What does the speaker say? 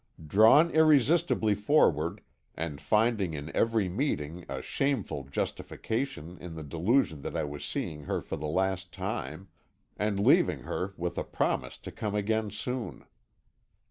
Drawn irresistibly forward, and finding in every meeting a shameful justification in the delusion that I was seeing her for the last time; and leaving her with a promise to come again soon.